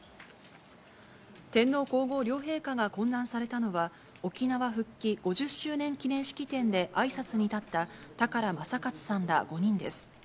天皇皇后両陛下が懇談されたのは、沖縄復帰５０周年記念式典であいさつに立った、高良政勝さんら５人です。